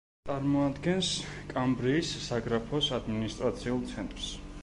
წარმოადგენს კამბრიის საგრაფოს ადმინისტრაციულ ცენტრს.